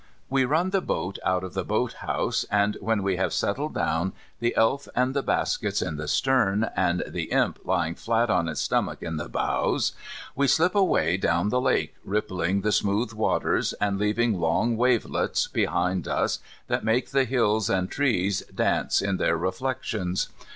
We run the boat out of the boathouse, and when we have settled down, the Elf and the baskets in the stern, and the Imp lying flat on his stomach in the bows, we slip away down the lake rippling the smooth waters, and leaving long wavelets behind us that make the hills and trees dance in their reflections.